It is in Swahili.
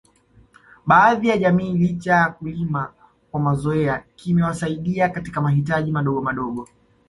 Baadhi ya jamii licha ya kulima kwa mazoea kimewasaidia katika mahitaji madogo madogo